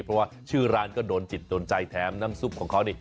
เพราะว่าชื่อร้านก็โดนจิตโดนใจแถมน้ำซุปของเขานี่